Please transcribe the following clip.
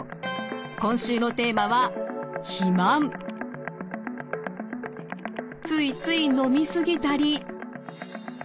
今週のテーマはついつい飲み過ぎたり食べ過ぎたり。